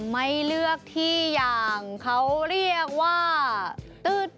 ไม่เลือกที่อย่างเขาเรียกว่าตื๊ด